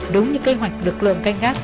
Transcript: đúng như kế hoạch lực lượng canh gác